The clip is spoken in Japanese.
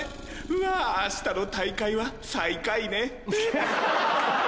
うわ明日の大会は最下位ねウフっ！